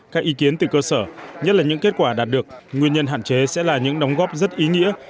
các ý kiến từ cơ sở nhất là những kết quả đạt được nguyên nhân hạn chế sẽ là những đóng góp rất ý nghĩa